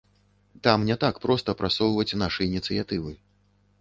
Там не так проста прасоўваць нашы ініцыятывы.